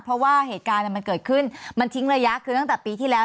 เพราะว่าเหตุการณ์มันเกิดขึ้นมันทิ้งระยะคือตั้งแต่ปีที่แล้ว